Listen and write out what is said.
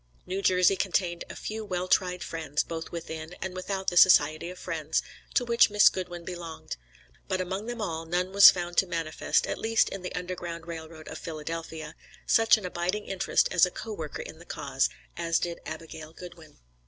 New Jersey contained a few well tried friends, both within and without the Society of Friends, to which Miss Goodwin belonged; but among them all none was found to manifest, at least in the Underground Rail Road of Philadelphia, such an abiding interest as a co worker in the cause, as did Abigail Goodwin.